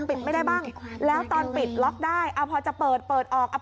ปิดไม่ได้บ้างแล้วตอนปิดล็อกได้เอาพอจะเปิดเปิดออกเอา